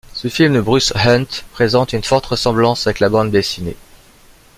Ce film de Bruce Hunt présente une forte ressemblance avec la bande dessinée.